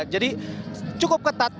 jadi cukup ketat